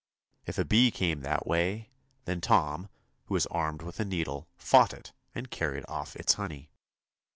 If a bee came that way, then Tom, who was armed with a needle, fought it and carried off its honey.